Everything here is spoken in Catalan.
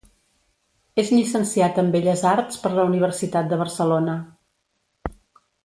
És llicenciat en belles arts per la Universitat de Barcelona.